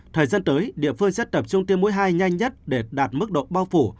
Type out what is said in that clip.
thời gian tới địa phương sẽ tập trung tiêm mũi hai nhanh nhất để đạt mức độ bao phủ